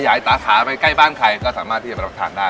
สาขาไปใกล้บ้านใครก็สามารถที่จะไปรับทานได้